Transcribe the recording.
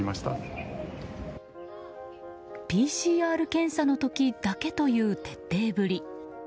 ＰＣＲ検査の時だけという徹底ぶり。